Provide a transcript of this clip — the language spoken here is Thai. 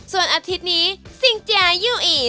ส่วนอาทิตย์นี้ซิงเจียอยู่อีก